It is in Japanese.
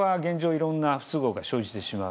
いろんな不都合が生じてしまう。